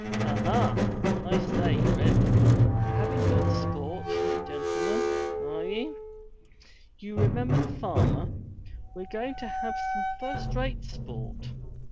Ha, ha! I say. Rip: *Havin' good sport, gentlemen, are ye?' You remember the farmer! We're going to have some first rate sport.